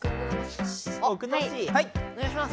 おねがいします。